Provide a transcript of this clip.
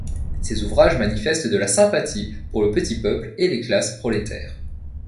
Ses ouvrages manifestent de la sympathie pour le petit peuple et les classes prolétaires.